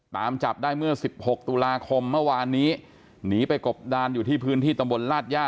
ตามจับได้เมื่อ๑๖ตุลาคมเมื่อวานนี้หนีไปกบดานอยู่ที่พื้นที่ตำบลลาดย่า